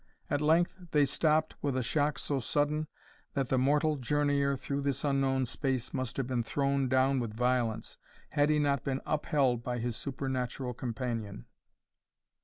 At length they stopped with a shock so sudden, that the mortal journeyer through this unknown space must have been thrown down with violence, had he not been upheld by his supernatural companion.